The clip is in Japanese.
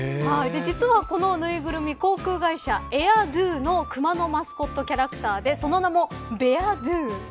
実はこのぬいぐるみ航空会社エア・ドゥのくまのマスコットキャラクターでその名もベア・ドゥ。